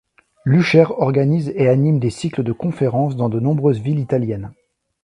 Luchaire organise et anime des cycles de conférences dans de nombreuses villes italiennes.